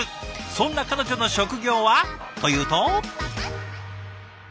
そんな彼女の職業はというと？